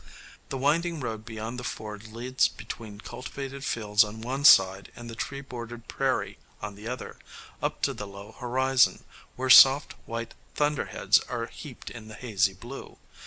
The winding road beyond the ford leads, between cultivated fields on one side and the tree bordered prairie on the other, up to the low horizon, where soft white thunderheads are heaped in the hazy blue.